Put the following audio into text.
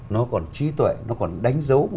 nó còn trí tuệ nó còn đánh dấu